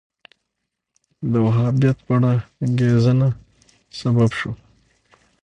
د وهابیت په اړه انګېرنه سبب شو